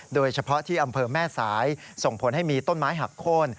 โดยเฉพาะที่อำเภอแม่สายส่งผลให้มีต้นไม้หักโค้น